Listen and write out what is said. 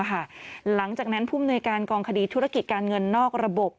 หลังจากนั้นผู้มนวยการกองคดีธุรกิจการเงินนอกระบบ